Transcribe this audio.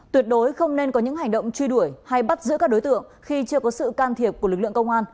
tuyệt đối không nên có những hành động truy đuổi hay bắt giữ các đối tượng khi chưa có sự can thiệp của lực lượng công an